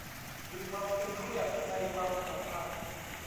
มีความตึงเครียดในความสัมพันธ์